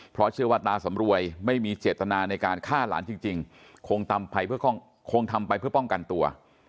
เพราะเชื่อว่าตาสำรวยไม่มีเจตนาในการฆ่าหลานจริงคงทำไปเพื่อคงทำไปเพื่อป้องกันตัว